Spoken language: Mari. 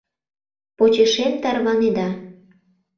Почешем тарванеда: